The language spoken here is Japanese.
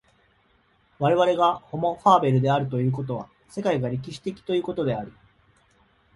我々がホモ・ファーベルであるということは、世界が歴史的ということであり、